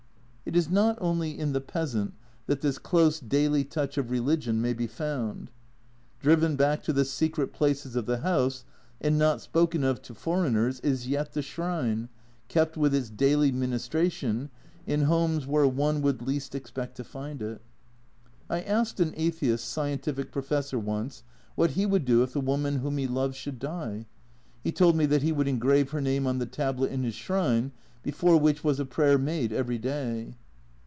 It is not only in the peasant that this close daily touch of religion may be found. Driven back to the secret places of the house, and not spoken of to foreigners, is yet the shrine, kept with its daily ministration, in homes where one 2^2 A Journal from Japan would least expect to find it. I asked an "atheist" scientific professor once what he would do if the woman whom he loved should die. He told me that he would engrave her name on the tablet in his shrine, before which was a prayer made every day.